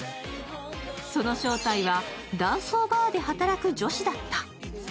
その正体は男装バーで働く女子だった。